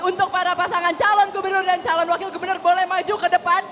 untuk para pasangan calon gubernur dan calon wakil gubernur boleh maju ke depan